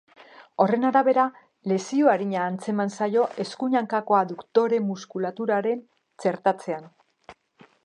Horren arabera lesio arina antzeman zaio eskuin hankako adduktore muskulaturaren txertatzean.